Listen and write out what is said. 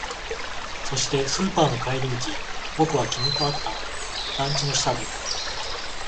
そして、スーパーの帰り道、僕は君と会った。団地の下で。